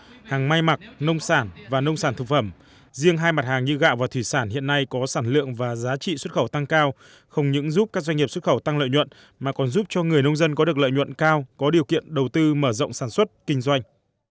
các mặt hàng may mặc nông sản và nông sản thực phẩm riêng hai mặt hàng như gạo và thủy sản hiện nay có sản lượng và giá trị xuất khẩu tăng cao không những giúp các doanh nghiệp xuất khẩu tăng lợi nhuận mà còn giúp cho người nông dân có được lợi nhuận cao có điều kiện đầu tư mở rộng sản xuất kinh doanh